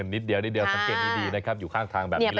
นิดเดียวสังเกตนี้ดีได้ครับอยู่ข้างทางแบบนี้แหละ